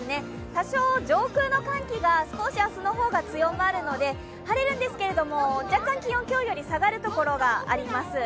多少上空の寒気が少し明日の方が強まるので、晴れるんですけれども、若干気温、今日より下がるところがあります。